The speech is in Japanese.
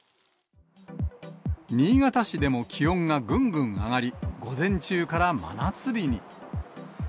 新潟市でも気温がぐんぐん上がり、午前中から真夏日に。